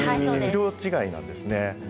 色違いなんですね。